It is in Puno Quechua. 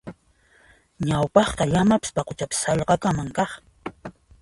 Ñawpaqqa llamapis paquchapis sallqakama kaq.